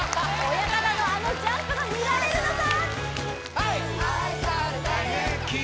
親方のあのジャンプが見られるのか？